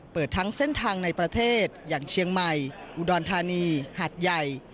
เปิดทั้งเส้นทางในประเทศอย่างเชียงใหม่อุดรธานีหาดใหญ่